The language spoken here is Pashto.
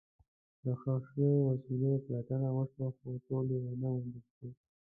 د ښخ شوو وسلو پلټنه وشوه، خو ټولې ونه موندل شوې.